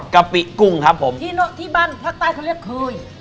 กะปิกุ้งที่บันทรภรรยาใต้เขาเรียกเคย